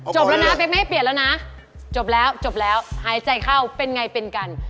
จบแล้วนะเป๊กไม่ให้เปลี่ยนแล้วนะจบแล้วจบแล้วหายใจเข้าเป็นไงเป็นกัน